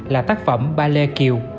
là tác phẩm ba lê kiều